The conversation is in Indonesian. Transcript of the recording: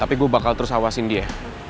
tapi gue bakal terus awasin dia